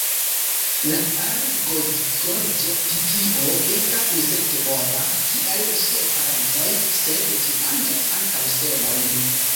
La Ruĝgorĝa pipio estas insektovora, kiel siaj parencoj, sed ĝi manĝas ankaŭ semojn.